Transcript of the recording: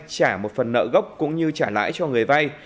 trả một phần nợ gốc cũng như trả lãi cho người vay